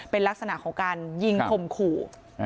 เป็นลักษณะของการยิงคมขู่